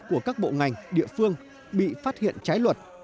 của các bộ ngành địa phương bị phát hiện trái luật